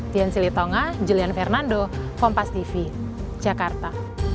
dian syilitonga julian fernando kompastv jakarta